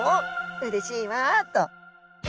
うれしいわ」と。